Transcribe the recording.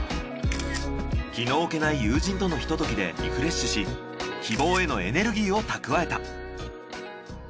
気の置けない友人とのひとときでリフレッシュし希望へのエネルギーを蓄えた。